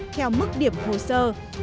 theo mức điểm hồ sơ